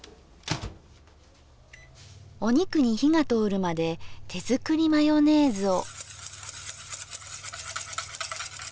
お肉に火が通るまで手作りマヨネーズを。